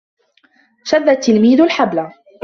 شَدَّ التِّلْميذُ الْحَبْلَ.